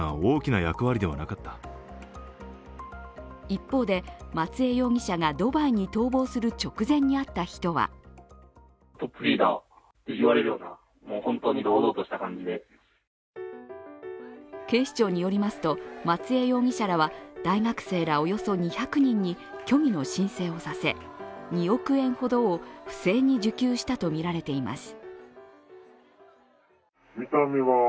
一方で、松江容疑者がドバイに逃亡する直前に会った人は警視庁によりますと、松江容疑者らは大学生らおよそ２００人に虚偽の申請をさせ２億円ほどを不正に受給したとみられています。